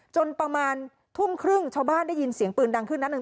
จนประมาณทุ่มครึ่งชาวบ้านได้ยินเสียงปืนดังขึ้นนัดหนึ่ง